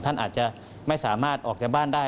ท่านอาจจะไม่สามารถออกจากบ้านได้